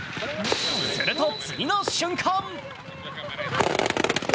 すると次の瞬間